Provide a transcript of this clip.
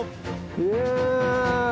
イエイ！